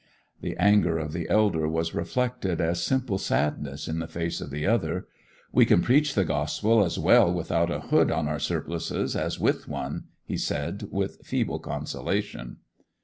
The anger of the elder was reflected as simple sadness in the face of the other. 'We can preach the Gospel as well without a hood on our surplices as with one,' he said with feeble consolation.